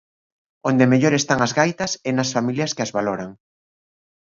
Onde mellor están as gaitas é nas familias que as valoran.